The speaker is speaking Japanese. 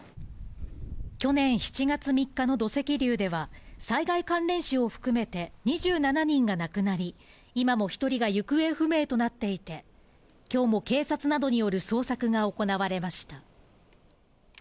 去年７月３日の土石流では、災害関連死を含めて、２７人が亡くなり、今も１人が行方不明となっていて、きょうも警察などによる捜索が行われました。